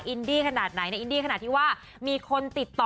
อินดี้ขนาดไหนนะอินดี้ขนาดที่ว่ามีคนติดต่อ